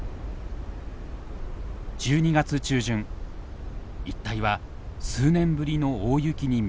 １２月中旬一帯は数年ぶりの大雪に見舞われました。